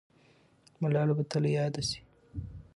ملاله به تل یاده سي.